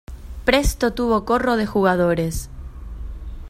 presto tuvo corro de jugadores.